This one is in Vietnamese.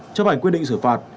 trong hành quyết định xử phạt